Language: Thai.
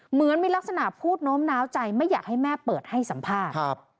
เหมือนมีลักษณะพูดโน้มน้าวใจไม่อยากให้แม่เปิดให้สัมภาษณ์